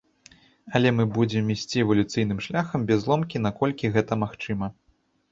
Але мы будзем ісці эвалюцыйным шляхам, без ломкі, наколькі гэта магчыма.